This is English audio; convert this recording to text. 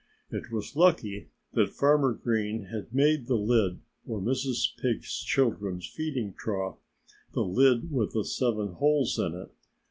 It was lucky that Farmer Green had made the lid for Mrs. Pig's children's feeding trough the lid with the seven holes in it.